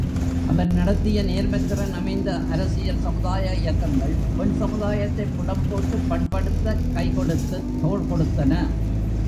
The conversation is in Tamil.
அவர் நடத்திய நேர்மைத்திறன் அமைந்த அரசியல் சமுதாய இயக்கங்கள், பெண் சமுதாயத்தைப் புடம்போட்டுப் பண்படுத்தக் கைகொடுத்துத் தோள்கொடுத்தன.